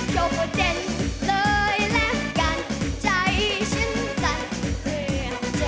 โชคเต้นเลยและการใจฉันสั่นเผื่อเจอ